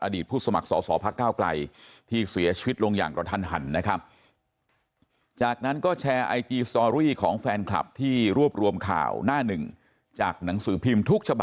อดีตผู้สมัครสศพกไกลที่เสียชีวิตลงอย่างกระทั่นหันนะครับ